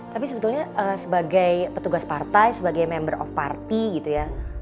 tapi sebetulnya sebagai petugas partai sebagai member of party gitu ya